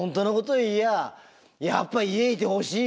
言ややっぱ家いてほしいよ